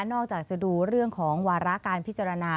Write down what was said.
อกจากจะดูเรื่องของวาระการพิจารณา